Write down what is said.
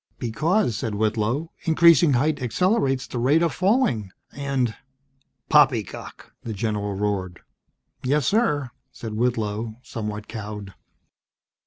"Because," said Whitlow, "increasing height accelerates the rate of falling, and " "Poppycock!" the general roared. "Yes, sir," said Whitlow, somewhat cowed.